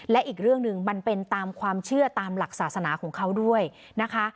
และอีกเรื่องหนึ่งมันเป็นตามความเชื่อตามหลักศาสนาของเขาด้วยนะคะ